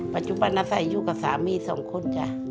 ปัจจุบันใหม่อยู่กับสามีสองคน